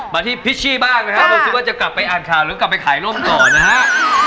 มาที่พิชชี่บ้างนะครับผมคิดว่าจะกลับไปอ่านข่าวหรือกลับไปขายร่มต่อนะฮะ